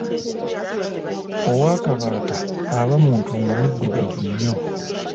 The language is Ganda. Owakabaata aba muntu nga muddugavu nnyo.